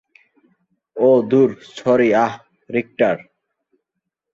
ওহ ধুর, সরি, আহ, রিক্টার।